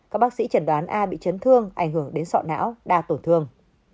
các bác sĩ chẩn đoán a bị chấn thương ảnh hưởng đến sọ não đa tổn thương